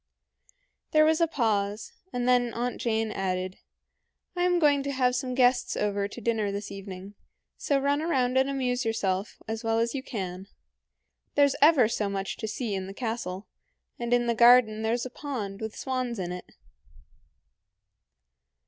There was a pause, and then Aunt Jane added, "I am going to have some guests to dinner this evening, so run round and amuse yourself as well as you can. There's ever so much to see in the castle, and in the garden there's a pond with swans in it."